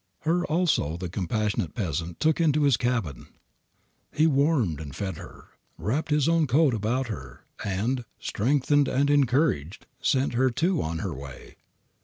Her also the compassionate peasant took into his cabin. He warmed and fed her, wrapped his own coat about her, and, strengthened and encouraged, sent her too on her way.